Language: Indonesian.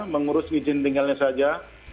mengurus izin tinggalnya saja